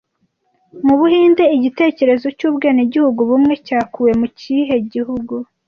Mu Buhinde, igitekerezo cy’ubwenegihugu bumwe cyakuwe mu kihe gihugu